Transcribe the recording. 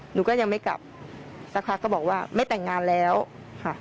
หนูก็ยังไม่กลับสักพักก็บอกว่าไม่แต่งงานแล้วค่ะ